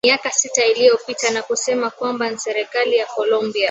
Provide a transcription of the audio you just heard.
miaka sita iliyopita na kusema kwamba nSerikali ya Colombia